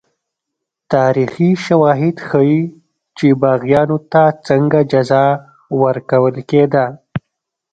تاریخي شواهد ښيي چې باغیانو ته څنګه جزا ورکول کېده.